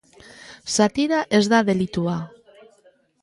Satira ez da delitua.